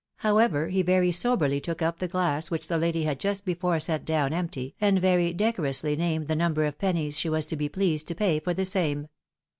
However, he very soberly took up the glass which the lady had just before set down empty, and very decorously named the number of pennies she was to be pleased to pay for the same.